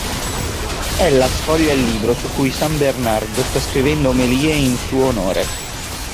Ella sfoglia il libro su cui san Bernardo sta scrivendo omelie in suo onore.